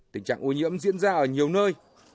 tình trạng ô nhiễm diễn ra ở nhiều nơi